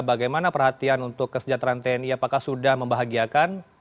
bagaimana perhatian untuk kesejahteraan tni apakah sudah membahagiakan